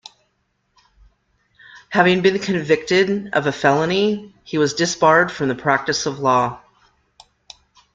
Having been convicted of a felony, he was disbarred from the practice of law.